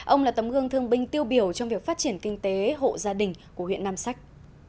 ông là tấm gương thương binh tiêu biểu trong việc phát triển kinh tế hộ gia đình của huyện nam sách